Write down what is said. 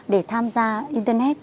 để tham gia internet